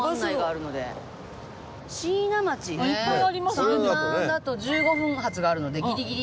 ３番だと１５分発があるのでギリギリ。